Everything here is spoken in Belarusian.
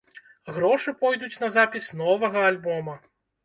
Грошы пойдуць на запіс новага альбома.